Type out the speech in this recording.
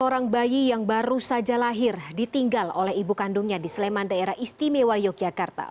seorang bayi yang baru saja lahir ditinggal oleh ibu kandungnya di sleman daerah istimewa yogyakarta